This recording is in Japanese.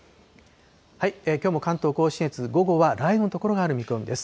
きょうも関東甲信越、午後は雷雨の所がある見込みです。